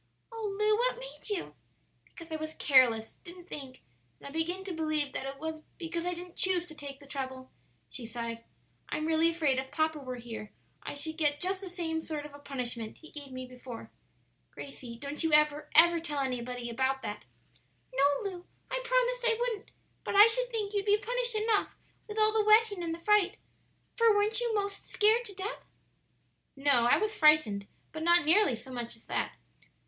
"Oh, Lu, what made you?" "Because I was careless; didn't think; and I begin to believe that it was because I didn't choose to take the trouble," she sighed. "I'm really afraid if papa were here I should get just the same sort of a punishment he gave me before. Gracie, don't you ever, ever tell anybody about that." "No, Lu; I promised I wouldn't. But I should think you'd be punished enough with all the wetting and the fright; for weren't you most scared to death?" "No; I was frightened, but not nearly so much as that.